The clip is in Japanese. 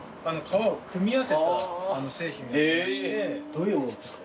どういう物ですか？